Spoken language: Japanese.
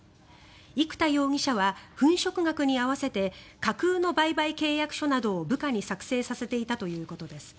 生田容疑者は粉飾額に合わせて架空の売買契約書などを部下に作成させていたということです。